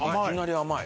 甘い！